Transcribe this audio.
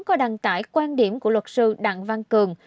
có đăng tải quan điểm của luật sư đặng văn cường